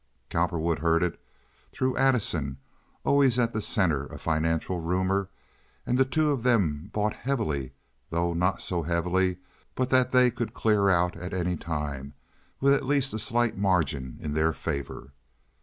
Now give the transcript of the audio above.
Cowperwood heard of it through Addison, always at the center of financial rumor, and the two of them bought heavily, though not so heavily but that they could clear out at any time with at least a slight margin in their favor.